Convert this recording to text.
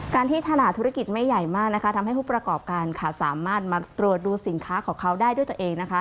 ที่ธนาธุรกิจไม่ใหญ่มากทำให้ผู้ประกอบการสามารถมาตรวจดูสินค้าของเขาได้ด้วยตัวเอง